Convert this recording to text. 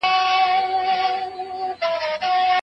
حساس ځایونه د ماشوم لپاره خوندي کړئ.